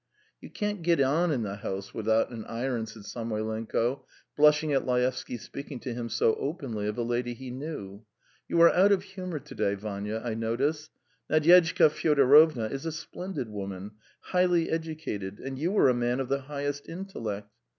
"You can't get on in the house without an iron," said Samoylenko, blushing at Laevsky's speaking to him so openly of a lady he knew. "You are out of humour to day, Vanya, I notice. Nadyezhda Fyodorovna is a splendid woman, highly educated, and you are a man of the highest intellect.